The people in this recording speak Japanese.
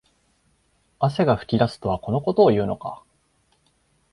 汗が噴き出すとはこのことを言うのか